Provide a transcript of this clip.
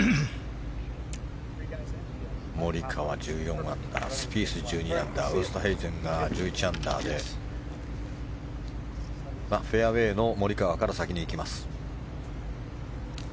モリカワ、１４アンダースピース、１２アンダーウーストヘイゼンが１１アンダーでフェアウェーのモリカワから先に行きます。